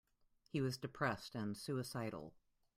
He was depressed and suicidal.